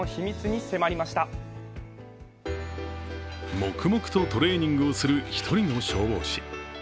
黙々とトレーニングをする一人の消防士。